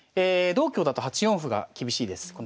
同香だと８四歩が厳しいです。